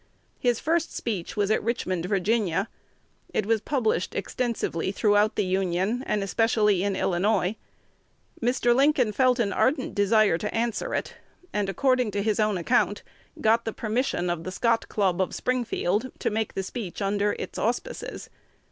His first speech was at Richmond, Va. It was published extensively throughout the Union, and especially in Illinois. Mr. Lincoln felt an ardent desire to answer it, and, according to his own account, got the "permission" of the "Scott Club" of Springfield to make the speech under its auspices.